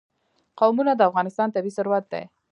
قومونه د افغانستان طبعي ثروت دی.